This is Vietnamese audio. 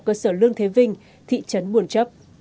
cơ sở lương thế vinh thị trấn buồn chấp